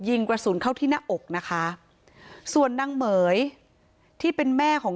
ยิงกระสุนเข้าที่หน้าอกนะคะส่วนนางเหม๋ยที่เป็นแม่ของ